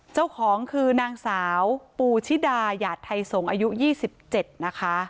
เจ้าของคือนางสาวปูชิดาหยาดไทยสงศ์อายุ๒๗นะคะ